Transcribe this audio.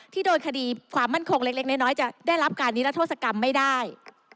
ที่โดยคดีความมั่นคงเล็กน้อยจะได้รับการนิรัทธศกรรมไม่ได้